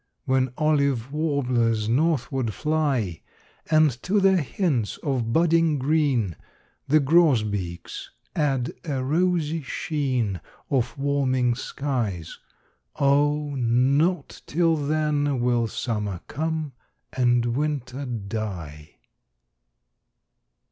When olive warblers northward fly, And to their hints of budding green The grosbeaks add a rosy sheen Of warming skies: O, not till then Will summer come and winter die!